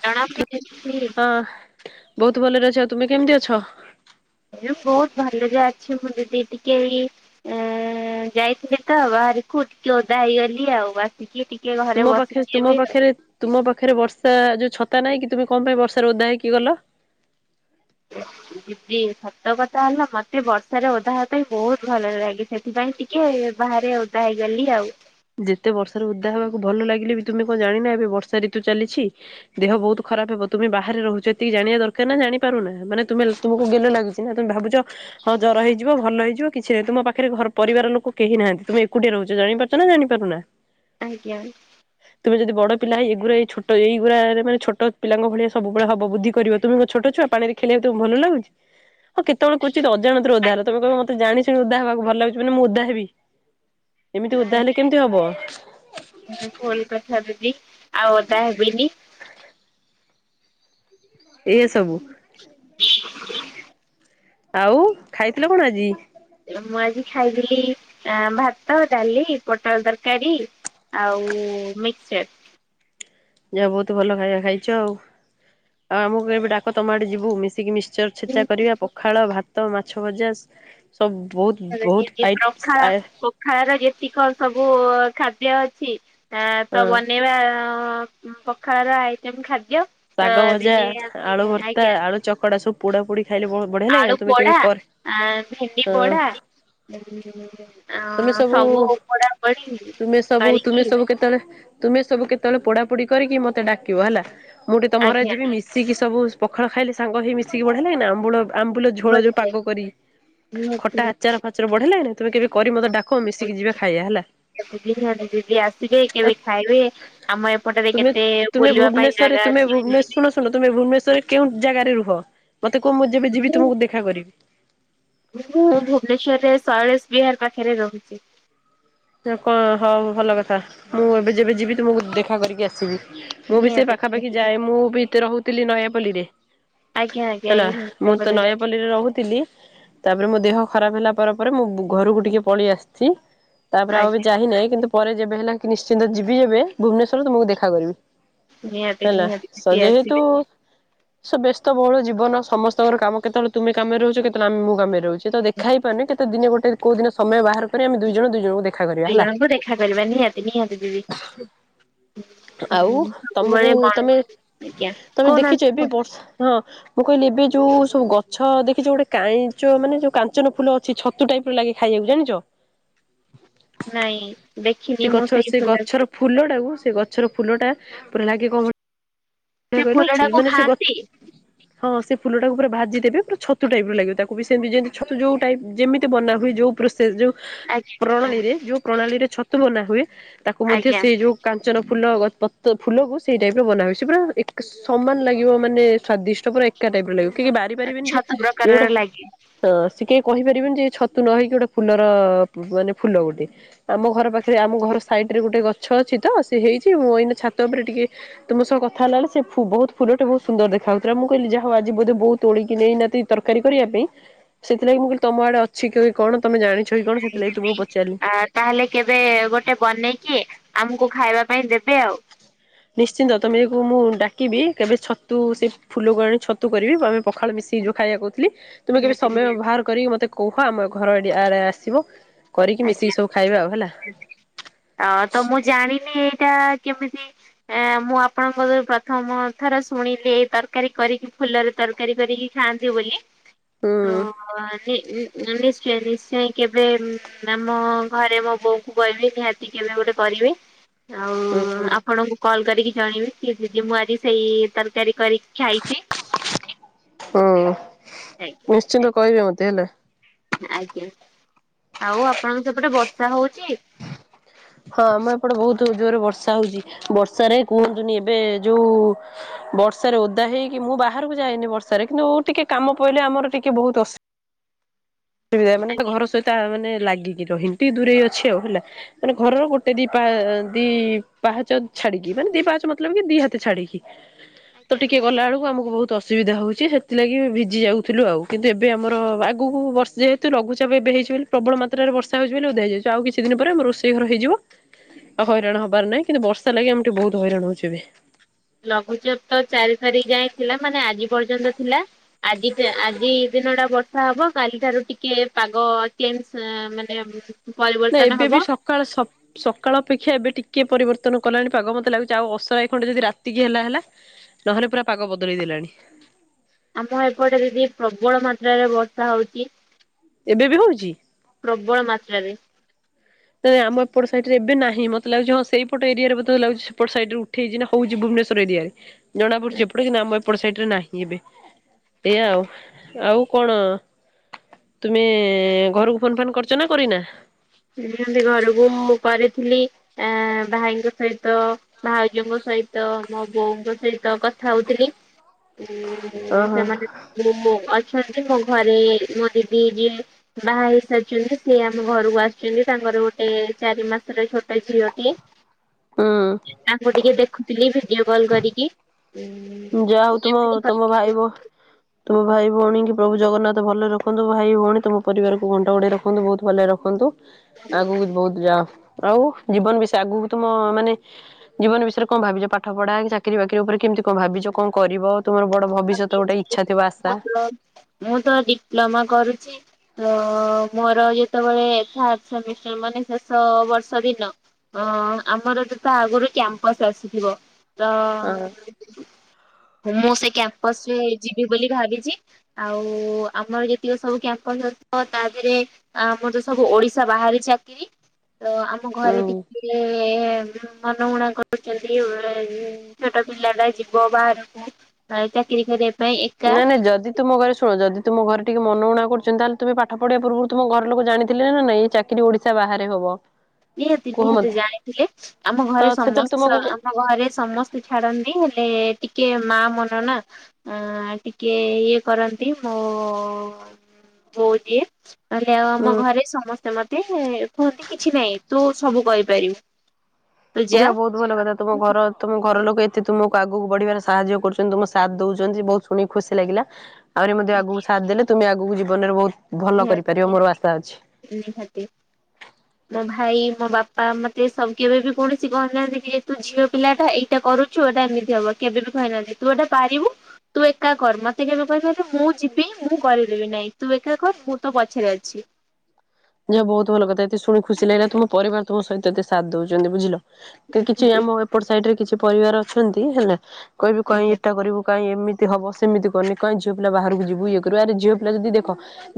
ଜଣା [unintelligible] ବୋହୁତ ଭଲରେ ଅଛି ଆଉ ତୁମେ କେମିତି ଅଛ? ଏଇ ବୋହୁତ ଭଲରେ ଅଛି ମୁଁ ଦିଦି ଟିକେ ଇଁ-ଯାଇଥିଲି ବା ବାରିକୁ ଟିକେ ଓଦା ହେଇଗଲି ଆଉ ଆସିକି ଟିକ୍ ତୁମ ପାଖରେ ତୁମ ପାଖରେ ତୁମ ପାଖରେ ବର୍ଷା ଯୋଉ ଛତା ନାଇଁ କି। ତୁମେ କଣ ପାଇଁ ବର୍ଷାରେ ଓଧା ହେଇକି ଗଲ। ଦିଦି ସତ କଥା ହେଲା ମତେ ବର୍ଷାରେ ଓଧାହ ପାଇଁ ବହୁତ ଭଲରେ ଲାଗେ ସେଥିପାଇଁ। ଟିକେ ବାହାରେ ଓଦା ହେଇଗଲି ଆଉ। ଯେତେ ବର୍ଷାରେ ଉଦା ହେବାକୁ ଭଲ ଲାଗିଲେ ବି ତମେ କଣ ଜାଣିନ ଏବେ ବର୍ଷା ଋତୁ ଚାଲିଛି ଦେହ ବହୁତ ଖ। ଖରାପ ହବ ତୁମେ ବାହାରେ ରହୁଛ ଏତିକି ଜାଣିବା ଦର ନା ଜାଣିପାରୁ ନା ମାନେ ତମେ ତୁମକୁ ଗେଲ ଲାଗୁଛି ନା ତମେ ଭାବୁଛ। ହଁ ଜର ହେଇଯି ଭଲ ହେଇଯିବ କିଛି ନାହିଁ ତୁମ ପାଖରେ ଘ ପରିବାର ଲୋକ କେହି ନାହାନ୍ତି ତମେ ଏକୁଟିଆ ରହୁଛ ଜାଣିପାରୁଛ। ନା ଜାଣିପାରୁନା। ଆଜ୍ଞା। ତୁମେ ଯଦି ବଡ଼ ପିଲା ଏଇଗୁରା ଏଇ ଏଇଗୁରା ମାନ ଛୋଟ ପିଲା ଭଳିଆ ସବୁବେ ହବ ବୁଦ୍ଧିିକରିବ ତୁମେ ଛୋଟ ଛୁଆ ପାଠ। ବର୍ଷା ରେ ଖେଳିବାକୁ ତ ଭଲ ଲାଗୁଛି। ହଁ କେତବେଳେ ଅଜାଣତରେ ଓଦା ହେଲ ତମେ କଣ ମତେ ଜାଣିଚ କି ମୋତେ ଓଦା ହେବାକୁ ଭଲ ଲାଗୁଚି ମାନ ମୁଁ ଓଦା ହେବି। [inaudible] ନାଇଁ ହେଲେ କେମିତି ହବ ନାଇଁ ଭୁଲ କଥା ଦିଦି। ଆଉ ଓଦା ହେବିନି। ଏଇଆ ସବୁ। ଆଉ ଖାଇଥିଲ କଣ ଆଜି। ମୁଁ ଆଜି ଖାଇଥିଲି ଭାତ ଡାଲି ପୋଟଳ ତରକାରୀ। ଆଉ ମିକ୍ସଚର। ଯାହା ବହୁତ ଭଲ ଖାଇବା ଖାଇଛ ଆଉ ଆଉ ଆମକୁ ଏବେ ଡାକ ତମ ଆଡେ ଯିବୁ ମିଶିକି ମିଶ। ଚର ଛେଚା କରିବା ପଖାଳ ଭାତ ମାଛ ଭଜା। ସବୁ ବହୁତ ବହୁତ ଆଇ ପଖାଳ ପଖାଳ ର ଯେତିକ ସବୁ ଖାଦ୍ୟ ଅଛି। ଆଁ ତ ବନେଇବା ପଖାଳ ର ଆଇଟମ ଖାଦ୍ୟ। ଶାଗ ଭଜା ଆଜ୍ଞ ଆଳୁ ଭର୍ତ୍ତା ଆଜ୍ଞା। ଆଳୁ ଚକଡା ସବୁ ପୋଡା ପୋଡି ଖାଇଲେ ବଢିଆ ଲାଗେ ନା ଆଳୁ ତୁମେ କେବେ ପୋଡା କରେ ଆ ଭେଣ୍ଡି ପୋଡା। ହଁ ତୁମେ ଅଁ ସବୁ ପୋଡା ପୋଡି ତୁମେ ସବୁ ତୁମେ କରିକି। ସବୁ କେତେବେଳେ ତୁମେ ସବୁ କେତେବେଳେ ପୋଡା ପୋଡି କରିକି ମତେ ଡାକିବ ହେଲା ମୁଁ ଟିକେ ତମ ଘରେ ଆଜ୍ଞା ଯିବି ମିଶିକି। ସବୁ ପଖାଳ ଖାଇଲେ ସାଙ୍ଗ ହୋଇଇ ମିଶିକି ବଢିଆ ଲାଗେନା ଆମ୍ବୁଲ। ଆମ୍ବୁଲ ଝୋଳ ଯୋଉ ପାଗ କରି ଖଟା ନିହାତି ଆଚାର ଫାଚାର ବଢିଆ ଲାଗେନା? ତମେ କେବେ କରି ମୋତେ ଡା। କୁହ ମିଶିକି ଯିବା ଖାଇବା ହେଲା। ଦିଦି ଆସିବେ କେବେ ଖାଇବେ ଆମ ଏପଟରେ କେତେ ବୁଲିବା ପାଇଁ ଜାଗା। ଅଛି ତମେବନେଶ ଶୁଣ ଶୁଣ ତମେ ଭୁବନେଶ୍ୱରରେ କେଉ ଜାଗାରେ ରୁହ ମତେ କୁହ ମୁଁ ଯେବେ ଯିବି ତମକୁ ଦେଖା କରିବି। ମୁଁ ଭୁବନେଶ୍ଵରରେ ଶୈଳଶ ବିହାର ପାଖରେ ରହୁଛି। କଣ ହଉ ଭଲ କଥା ମୁଁ ଏବେ ଯେବେ ଯିବି ତୁମକୁ ଦେଖା କରିକି ଆସିବି। ମୁଁ ବି ସେ ନିହାତି ପାଖାପାଖି ନିହାତି। ଯାଏ ମୁଁ ବି ତବରହୁଥିଲି ନୟାପଲ୍ଲୀରେ। ଆଜ୍ଞା ଆଜ୍ଞା ହେଲା ଏଇ ମୁଁ ତ ଭଲରେ ନୟାପଲ୍ଲୀରେ ରହୁଥିଲି। ତାପରେ ମୋ ଦେହ ଖରାପ ହେଲା ପରେ ପରେ ମୁଁ ଘରକୁ ଟିକେ ପଳେଇ ଆସିଛି। ତାପରେ ଆଉ ବି ଆଜ୍ଞା ଯାଇନାହିଁ କିନ୍ତୁ ପରେ ଯେବେ ହେଲା କି ନିଶ୍ଚିନ୍ତ ଯିବି ଯେବେ ଭୁବନେଶ୍ୱରରୁ ତୁମକୁ ଦେଖା କରିବି। ନିହାତି ହେଲା ନିହାତି ସ ଦିଦି ଯେହେତୁ। ଆସିବେ ସୋ ବ୍ୟସ୍ତ ବହୁଳ ଜୀବନ ସମସ୍ତଙ୍କର କାମ କେତେବେଳେ ତୁମେ କାମରେ ରହୁଛ କେତେବେଳେ ଆମେ ମୁଁ କାମରେ ରହୁଛି। ତ ଦେଖାହେଇ ପାରୁନି କେତେ ଦିନ ଗୋଟେ କୋଉ ଦିନ ସମୟ ବାହାର କରି ଆମ ଦୁଇ ଜଣ ଦୁଇ ଜଣ। ଦୁଇ ଜଣଙ୍କୁ ଦେଖା କରିବା ନିହାତି ନିହାତି ଦିଦି। ଆଉ ହୁଁ ତମକୁ ସବୁବେଳେ ମଣି ତମେ ଆଜ୍ଞା ତମେ କହୁନାହାନ୍ତି ଦେଖିଛ ଏବେ କୁହ। ବର୍ଷା ହଁ ମୁଁ କହିଲି ଏବେ ଯୋଉ ସବୁ ଗଛ ଦେଖିଛ ଗୋଟେ କାଇଚ ମାନେ ଯୋଉ କାଞ୍ଚନ ଫୁଲ ଅଛି ଛତୁ ଟାଇପ୍। ଭୋ ଲାଗେ ଖାଇବାକୁ ଜାଣିଛ। ନାଇଁ ଦେଖିନି ସେ ମୁଁ ଗଛ ସେଇ ସେ ଫୁଲ ଗଛର ଫୁଲ ଟାକୁ ସେ ଗଛ। ଗଛର ଫୁଲଟା ପୁରା ଲାଗି କମ। ସେ କହିଲା ଫୁଲ ଟାକୁ ମାନେ ସେ ଗ ଖାଆନ୍ତି? ହଁ ସେ ଫୁଲଟାକୁ ପୁରା ଭାଜି ଦେବେ ପୁରା ଛତ। ଛତୁ ଟାଇପ ର ଲାଗିବ ତାକୁ ବି ସେମତି ଯେମିତି ଛତୁ ଯୋଉ ଟାଇପ ଯେମିତି ବନାହୁଏ ଯୋଉ ପ୍ରୋସେସ ଯୋଉ। ଆଜ୍ଞା ପ୍ରଣାଳୀରେ ଯୋଉ ପ୍ରଣାଳୀରେ ଛତୁ ବନା ହୁଏ ତାକୁ ମଧ୍ୟ ଆଜ୍ଞା ସେଇ ଯୋଉ କାଞ୍ଚନ। ଫୁଲ ଗ ପ ଫୁଲକୁ ସେଇ ଟାଇପର ବନା ହୁଏ। ସେ ପୁରା ଏକ ସମାନ ଲାଗିବ ମାନେ ସ୍ୱାଦିଷ୍ଟ ପୁରା ଏକା ଟାଇପରେ ଲାଗିବ କି କେହି ବାରି ପାରିବେନି ଯେ ଛତ ପ୍ରକାରର ଏଇଟା ଲାଗେ ହଁ କହିପାରିବେନି ଯେ ଛତୁ ନ ହେଇକି ଗୋଟେ ଫୁଲର ମାନେ ଫୁଲ ଗୋଟେ ଆମ ଘର ପାଖେ ରେ ଆମ ଘର ସାଇଡ ରେ ଗୋଟେ ଗଛ ଅଛି ତ ସେ ହେଇଛି ମୁଁ ଏଇନା ଛାତ ଉପରେ ଟିକେ ତୁମ ସହ ଥା ହେଲାବେଳେ ସେ ଫୁ ବହୁତ ଫୁଲଟା ବହୁତ ସୁନ୍ଦର ଦେଖାଉଥିଲା। ମୁଁ କହିଲି ଯା ହଉ ଆଜି ବୋଧେ ବୋଉ ତୋଳିକି ନେଇନାହାତି ତରକାରୀ କରିବା ସେଥିଲାଗି ମୁଁ କହିଲି ତମ ଆଡେ ଅଛି କି କଣ ତମେ ଜାଣି ତାହେଲେ କେବେ ଗୋଟେ ବନେଇକି ଆମକୁ ଖାଇବା ପାଇଁ ଦେବେ ଆଉ। ନିଶ୍ଚିନ୍ତ ତମକୁ ମୁଁ ଡାକିବି କେବେ ଛତୁ ସେ ଫୁଲକୁ ଆଣେ ଛତୁ କରିବି ଆମେ ପଖାଳ ମିଶିକି ଯୋଉ ଖାଇବା କହୁଥିଲି ତୁମେ କେବେ ନିହାତି ସମୟ ନିହାତି ବାହାର କରିକି ମତେ କୁହ ଆମ ଘର ଏଡି ଇଆଡ଼େ ଆସିବ କରିକି ମିଶିକି ଆଜ୍ଞା ସବୁ ଖାଇବା ଆଉ ହେଲା ତ ମୁଁ ଜାଣିନି ଏଇଟା କେମିତି ଆ ମୁଁ ଆପଣଙ୍କ ପ୍ରଥମ ଥର ଶୁଣିଲି ଏଇ ତରକାରୀ କରିକି ଫୁଲରେ ତରକାରୀ କରିକି ଥାଆନ୍ତି ବୋଲି ହୁଁ ତ ନି୍ଚ ନିଶ୍ଚୟ କେବେ ନା ମୋ ଘରେ ମୋ ବୋଉ କୁ କହିବି ନିହାତି କେବେ ଗୋଟେ କରିବେ ହୁଁ ଆଉ ଆପଣଙ୍କୁ କଲ କରିକି ଜଣେଇବି କିି ଦି ମୁଁ ଆଜି ସେଇ ତରକାରୀ କରିକି ଖାଇଛି। ହୁଁ ଆଜ୍ଞା ନିଶ୍ଚିନ୍ତ କହିବେ ମତେ ହେଲା। ଆଜ୍ଞା ଆଉ ଆପଣଙ୍କ ସେପଟେ ବର୍ଷା ହଉଛି? ହଁ ଆମ ଏପଟେ ବହୁତ ଜୋରରେ ବର୍ଷା ହଉଛି। ବର୍ଷାରେ କୁହନ୍ତୁନି ଏବେ ଯୋଉ ବର୍ଷାରେ ଓଦା ହେଇକି ମୁଁ ବାହାରକୁ ଯାଏନି ବର୍ଷାରେ କିନ୍ତୁ ଟିକେ କାମ ପିଇଲେ ଆମର ଟିକେ ବହୁତ ଅସ ରା ମାନେ ତ ଘର ସହିତ ମାନେ ଲାଗିକି ରହିନି ଟିକେ ଦୂରେଇକି ଅଛି ଆଉ ହେଲା ମାନେ ଘରର ଗୋଟେ ଦି ପା ଦି ପାହାଚ ଛାଡିକି ମାନେ ଦି ପାହାଚ ମତଲବ କି ଦି ହାତେ ଛାଡ଼ିକି। ତ ଆଜ୍ଞା। ଟିକେ ଗଲା ବେଳକୁ ଆମକୁ ବହୁତ ଅସୁବିଧା ହୋଉଛି ସେଥିଲାଗି ଭିଜି ଯାଉଥିଲୁ ଆଉ କିନ୍ତୁ ଏବେ ଆମର ଆଗକୁ ବର୍ଷେ ଯେହେତୁ ଲଘୁଚାପ ଏବେ ହେଇଛି ବୋଲି ପ୍ରବଳ ମାତ୍ରାରେ ବର୍ଷା ହେଛି ବୋଲି ଓଦାଯାଇଛି ଆଉ କିଛି ଦିନ ପରେ ଆମ ରୋଷେଇ ସେ ଘର ହେଇଯିବ ଆଉ ହଇରାଣ ହବାର ନାହିଁ। କିନ୍ତୁ ବର୍ଷା ଲାଗି ଆମେ ଟିକେ ବହୁତ ହଇରାଣ ହଉଛ ଏବେ। ଲଘୁଚେପ ତ ଚାରି ତାରିଖ ଯାଏଁ ଥିଲା ମାନେ ଆଜି ପର୍ଯ୍ୟନ୍ତ ଥିଲା। ଆଜି ଆଜି ଦିନଟା ବର୍ଷ ଶା ହବ କାଲି ଠାରୁ ଟିକେ ପାଗ କେମ ମାନେ ନା ପରିବର୍ତ୍ତନ ଏବେ ବି ହବ ସକାଳ ସକ୍ ସକାଳ ଅପେକ୍ଷା ଏବେ ଟିକେ ପରିବର୍ତ୍ତନ ତ୍ତନ କଲାଣି ପାଗ ମତେ ଲାଗୁଛି ଆଉ ଅସରାଏ ଖଣ୍ଡେ ଯଦି ରାତିକି ହେଲା ହେଲା ନହେଲେ ପୁରା ପାଗ ବଦଳେଇ ଦେଲାଣି। ଆମ ଏପଟେ ଯଦି ପ୍ରବଳ ମାତ୍ରାରେ ବର୍ଷା ହଉଚି ଏବେ ବି ହଉଛି? ପ୍ରବଳ ମାତ୍ରାରେ ତ ଆମ ଏପଟ ସାଇଟରେ ଏବେ ନାହିଁ। ମତେ ଲାଗୁଛି ହଁ ସେଇପଟ ଏରିଆରେ ମତେ ଲାଗୁଚି ସେପଟ ସାଇଟରେ ଉଠେଇଛି ନା ହଉଛି ବୁ ଭୁବନେଶ୍ୱର ଏରିଆରେ ଜଣାପଡୁଛି ଏପଟ କିନ ଆମ ଏପଟ ସାଇଟରେ ନାହିଁ। ଏବେ ଏୟା ଆଉ। ଆଉ କଣ? ତୁମେ ଘରକୁ ଫୋନ୍ ଫାନ୍ କରୁଛ ନା କରିନା? ଏମତି ଘରକୁ ମୁଁ କରିଥିଲି ଆ ଭାଇଙ୍କ ସହିତ ଭାଉଜଙ୍କ ସହିତ ସହିତ ମୋ ବୋଉଙ୍କ ସହିତ କଥା ହଉଥିଲି। ହ ଓହୋ ସେମାନେ ମୋମୋ ଅଲ୍ ମୋ ଘରେ ମୋ ଦିଦି ଯିଏ ବାହା ହେଇସାରିଛନ୍ତି। ସିଏ ଆମ ଘରକୁ ଆସି ତାଙ୍କର ଗୋଟେ ଚାରି ମାସର ଛୋଟ ଝିଅଟେ ହୁଁ। ତାଙ୍କୁ ଟିକେ ଦେଖ ଦେଖୁଥିଲି ଭିଡିଓ କଲ୍ କରିକି। ଯାହା ହଉ ତମ ତମ ଭାଇବୋ ତୁମ ଭାଇ ଭଉଣୀଙ୍କୁ ପ୍ରଭୁ ଜଗନ୍ନାଥ ଭଲରେ ରଖନ୍ତୁ। ଭାଇ ଭଉଣୀ ତୁମ ପରିବାରକୁ ଘଣ୍ଟଘୋଡ଼େଇ ରଖନ୍ତୁ ବହୁତ ଭଲରେ ରଖନ୍ତୁ। ଆଗକୁ ବହୁତ ଯାଅ। ଆଉ ଜୀବନ ବିଷୟରେ ଆଗକୁ ତମ ମାନେ ଜୀବନ ବିଷୟରେ କଣ ଭାବିଛ? ପାଠ ପଢା କି ଚାକିରି ବାକିରି ଉପରେ କେମିତି କଣ ଭାବିଛ କଣ କରିବ? ତୁମର ବଡ ଭବିଷ୍ୟତ ଗୋଟେ ଭାବିଚି ଇଚ୍ଛା ଥିବ ଆଶା ମତଲବ୍ ମୁଁ ତ ଡିପ୍ଲୋମା କରୁଛି। ତ ମୋର ଯେତେବେଳେ ମାନେ ଶେଷ ବର୍ଷ ଦିନ ହଁ ଆମର ତ ତା ଆଗରୁ କ୍ୟାମ୍ପସ ଆସିଥିବ। ତ ହଁ ଘୁମ ସେଇ [unintelligible] ସରେ ଯିବି ବୋଲି ଭାବିଛି ଆଉ ଆମର ଯେତିକ ସବୁ କ୍ୟାମ୍ପସ ଅ ତା ଦେହରେ ଆମର ତ ସବୁ ଓଡିଶା ବାହାରି ଚାକିରି ତ ଆମ ଘରେ ହୁଁ। ଟିକେ ମନଗୁଣା କରୁଛନ୍ତି ଛୋଟ ପିଲା ଟା ଯିବ ବାହାରକୁ। ଆ ନାଇଁ ନାଇଁ ଯଦି ତୁ ମୋ ଘରେ ଶୁଣ ଯଦି ତୁମ ଘରେ ଟିକେ ମନ ଉଣା କରୁଛନ୍ତି ତାହେଲେ ତୁମେ ପାଠ ପଢିବା ପୂର୍ବରୁ ତୁମ ଘର ଲୋକ ଜାଣିଥିଲେ ନାଇଁଇ ଚାକିରି ଓଡିଶା ବାହାରେ ହବ। ନିହାତି କୁହ ନିହାତି ମତେ ଜାଣିଥିଲେ ଆମ ତ ଘରେ ସେତେବେଳେ ସମସ୍ତ ତୁମକୁ ଆମ ଘରେ ସମସ୍ତେ ଛାଡନ୍ତି। ଥିଲେ। ଟିକେ ମା ମନ ନା ଟିକେ ଇଏ କରନ୍ତି ମୋ ବୋଉ ଦିଏ ନହେଲେ ଆଉ ଆମ ହୁଁ। ଘରେ ସମସ୍ତେ ମତେ କୁହନ୍ତି କିଛି ନାହିଁ। ତୁ ସବୁ କରିପାରିବୁ। ତୁ ଯା ଯାହା ବହୁତ ଭଲ କଥା ତମ ଘର ତମ ଘର ଲୋକ ଏତେ ତୁମ ଆଗକୁ ବଢିବାରେ ସାହାଯ୍ୟ କରୁଛନ୍ତି ତମ ସାଥ ଦଉଛନ୍ତି ବହୁତ ଶୁଣିକି ଖୁସି ଲାଗିଲା। ଆହୁରି ମଧ୍ୟ ଆଗକୁ ସାଥ ଦେଲେ ତମେ ଆଗକୁ ଜୀବନରେ ବହୁତ ଭଲ କରିପାରିବ ନିହାତି ମୋର ଆଶା ଅଛି। ନିହାତି ନିହାତି ମୋ ଭାଇ ମୋ ବାପା ମତେ ସ କେବେ ବି କୌଣସି କହିନାହାନ୍ତି କି ଯେ ତୁ ଝିଅ ପିଲାଟା ଏଇଟା କରୁଛୁ ଏଇଟା ଏମିତି ହବ। କେବେ ବି କହିନାହାନ୍ତି ତୁ ଏଟା ପାରିବୁ ତୁ ଏକା କର ମତେ କେବେ କହିବେନି ମୁଁ ଯିବି ମୁଁ କରିଦେବି ନାଇଁ ତୁ କାମ କର ମୁଁ ପଛରେ ଅଛି । ଯା ବହୁତ ଭଲ କଥା ଏତେ ଶୁଣି ଖୁସି ଲାଗିଲା ତୁମ ପରିବାର ତୁମ ସହିତ ଏତେ ସାଥ ଦଉଛନ୍ତି ବୁଝିଲ। କିଛି ଏମିତି ଆମ ଏପଟ ସାଇଡ ରେ କିଛି ପରିବାର ଅଛନ୍ତି ହେଲା କହିବି କାଇଁ ଆଜ୍ଞା ଏଇଟା କରିବୁ କାଇଁ ଏମିତି ହବ ସେମିତି କରନି କାଇଁ ଝିଅ ପିଲା ବାହାରକୁ ଯିବୁ ଇଏ କରିବୁ ଆରେ ଝିଅ ପିଲା ଯଦି ଦେଖ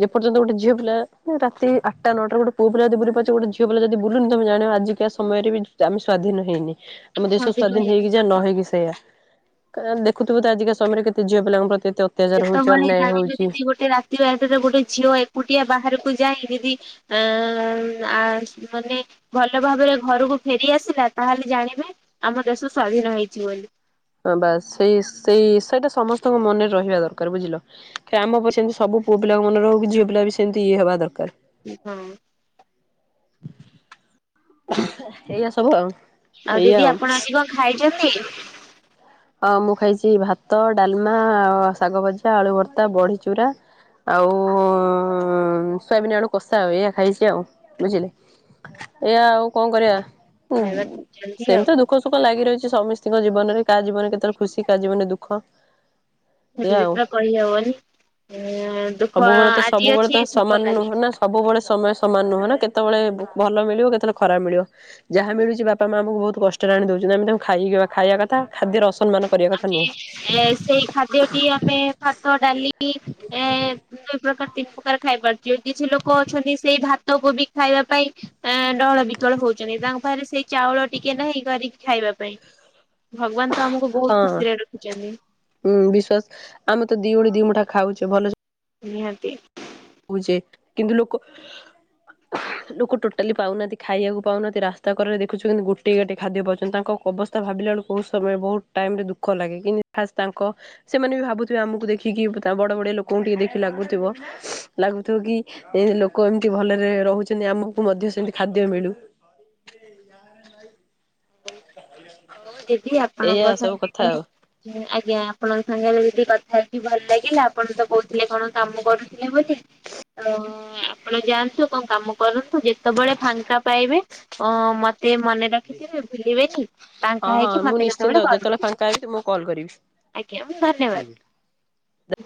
ଯେ ପର୍ଯ୍ୟନ୍ତ ଗୋଟେ ଝିଅ ପିଲା ରାତି ଆଠଟା ନଅଟା ରେ ଗୋଟେ ପୁଅ ପିଲା ଯଦି ବୁଲିପାରୁଛି ଗୋଟ ଝିଅ ପିଲା ଯଦି ବୁଲୁନି ତମେ ଜାଣିବ ଆଜିକା ସମୟରେ ବି ଆମେ ସ୍ୱାଧୀନ ହେଇନେ। ଆମ ଦେଶ ସ୍ଵାଧୀନ ହେଇକି ଯାହା ନ ହେଇକି ସେଇୟା । ଦେଖୁଥିବେ ତ ଆଜିକା ସମୟରେ କେତେ ଝିଅ ପିଲାଙ୍କ ପ୍ରତି ଏତେ ଅତ୍ୟାଚାର ହଉଛି ସେତେବେଳେ ଅନ୍ୟାୟ ଜାଣିବେ ହଉଛି। ଯିଦି ଗୋଟେ ରାତି ଅଧରେ ଗୋଟେ ଝିଅ ଏକୁଟିଆ ବାହାର ଯାଇ ଯଦି ମାନେ ଭଲ ଭାବରେ ଘରକୁ ଫେରି ଆସିଲା ତାହେଲେ ଜାଣିବେ ଆମ ଦେଶ ସ୍ଵାଧୀନ ହେଇଛି ବୋଲି। ହଁ ବାସ୍ ସେଇ ସେଇ ସେଇଟା ସମସ୍ତଙ୍କ ମନରେ ରହିବା ଦରକାର ବୁଝିଲ କାଇଁ ଆମ ଉପରେ ସେମିତି ସବୁ ପୁଅ ପିଲାଙ୍କ ମନରେ ରହୁ କି ଝିଅ ପିଲା ବି ସେମିତି ଇଏ ହେବା ଦରକାର। ହଁ। ଏଇଆ ସବୁ ଆଉ। ଆଉ ଦିଦି ଆପଣ ଆଜି କଣ ଖାଇଚନ୍ତି? ହଁ ମୁଁ ଖାଇଛି ଭାତ, ଡାଲମା, ଶାଗଭଜା, ଆଳୁ ଭର୍ତ୍ତା, ବଢି ଚୁରା ଆଉ ସୋୟାବିନ ଆଳୁ କଷା ଆଉ ଏଇଆ ଖାଇଛି ଆଉ ବୁଝିଲେ? ଏଇଆ ଆଉ କଣ କରିବା ଖାଇବା ଖାଉଛନ୍ତି ଆଉ ସେମିତି ଦୁଃଖ ସୁଖ ଲାଗି ରହିଛି। ସମସ୍ତିଙ୍କ ଜୀବନରେ କାହା ଜୀବନରେ କେତେବେଳେ ଖୁସି କାହା ଜୀବନରେ ଦୁଃଖ। ସେ ଏଇଆ ଆଉ। ପୁରା ପଢି ହବନି। ସବୁବେଳେ ତ ସବୁବେଳେ ତ ସୁଖ ସମାନ କାଲି ନୁହଁ ନା ସବୁବେଳେ ସମୟ ସମାନ ନୁହଁ ନା କେତବେଳେ ଭଲ ମିଳିବ କେତେବେଳେ ଖରାପ ମିଳିବ ଯାହା ମିଳୁଛି ବାପା ମା ଆମକୁ ବହୁତ କଷ୍ଟରେ ଆଣି ଦଉଛ ଆମେ ତାଙ୍କୁ ଖାଇବା ଖାଇବା କଥା ଖାଦ୍ୟରେ ରସ ଆମେ ସେଇ ଖାଦ୍ୟଟି ଆମେ ଭାତ, ଡାଲି ଏ ସେଇ ପ୍ରକାର ତିନି ପ୍ରକାର ଖାଇପାରୁଛି କିଛି ଲୋକ ଅଛନ୍ତି ସେଇ ଭାତକୁ ବି ଖାଇବା ପାଇଁ ଡହଳ ବିକଳ ହଉଛନ୍ତି ତାଙ୍କ ପାଖରେ ସେଇ ଚାଉଳ ଟିକେ ନାହିଁ କରିକି ଖାଇବା ପାଇଁ ଭଗବାନ ତ ଆମକୁ ବହୁତ ହଁ ଖୁସିରେ ରଖିଛନ୍ତି ଉ ବିଶ୍ବାସ ଆମେ ତ ଦି ଓଳି ଦିମୁଠା ଖାଉଛେ ଭଲସେ ନିହାତି। ଯେ କିନ୍ତୁ ଲୋକ ଲୋକ ଟୋଟାଲି ପାଉନାହାନ୍ତି ଖାଇବାକୁ ପାଉନାହାନ୍ତି। ରାସ୍ତା କରରେ ଦେଖୁଛୁ କେମିତି ଗୋଟେଇ ଗାଟେଇ ଖାଦ୍ୟ ପାଉଚନ୍ତି। ତାଙ୍କ କବା ଅବସ୍ତା ଭାବିଲା ବେଳକୁ ବହୁ ସମୟ ବହୁତ ଟାଇମ୍ ରେ ଦୁଃଖ ଲାଗେ। କିନ୍ତୁ ଖାସ୍ ତାଙ୍କ ସେମାନେ ବି ଭାବୁଥିବେ ଆମକୁ ଦେଖିକି ଇଫ୍ ତା ବଡ ବଡିଆ ଲୋକଙ୍କୁ ଟିକେ ଦେଖି ଲାଗୁଥିବ ଲାଗୁଥିବ କି ଏ ଲୋକ ଏମିତି ଭଲରେ ରହୁଛନ୍ତି ଆମକୁ ମଧ୍ୟ ସେମିତି ଖାଦ୍ୟ ମିଳୁ। [unintelligible] ହଉ ଦିଦି ଆପଣଙ୍କ ଏଇଆ ସବୁ କଥା ସାଙ୍ଗରେ ଆଉ ମୁ ଆଜ୍ଞା ଆପଣଙ୍କ ସାଙ୍ଗରେ ଯଦି କଥା ତି ଭଲ ଲାଗିଲା ଆପଣ ତ କହୁଥିଲେ କଣ କାମ କରୁଥିଲେ ବୋଲି। ତ ଆପଣ ଯାଆନ୍ତୁ କଣ କାମ କରନ୍ତୁ ଯେତେବେଳେ ଫାଙ୍କା ପାଇବେ ଅ, ମ ସେ ମନେ ରଖିଥିବେ ଭୁଲିବେନି। ହଁ, ଫାଙ୍କା ହଁ, ହେଇକି ମୁଁ ମତେ କେତେବେଳେ ନିଶ୍ଚିନ୍ତ କଲ୍ ଯେତେବେଳେ କରିବେ ଫାଙ୍କା ହେବି ତୁମକୁ କଲ୍ ଆଜ୍ଞା ଧନ୍ୟବାଦ। କରିବି। ଦ